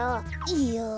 いや。